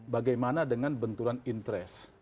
bagaimana dengan benturan interest